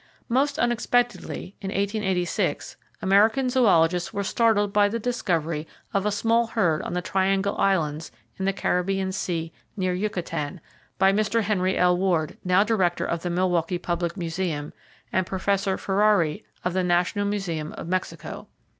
Most unexpectedly, in 1886 American zoologists were startled by the discovery of a small herd on the Triangle Islands, in the Caribbean Sea, near Yucatan, by Mr. Henry L. Ward, now director of the Milwaukee Public Museum, and Professor Ferrari, of the National Museum of Mexico.